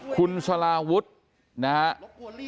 คุณสลาวุฒินะครับ